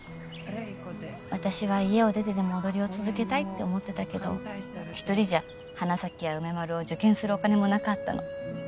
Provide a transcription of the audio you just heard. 私は家を出てでも踊りを続けたいって思ってたけど一人じゃ花咲や梅丸を受験するお金もなかったの。